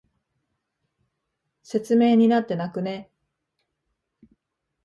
説明になってなくね？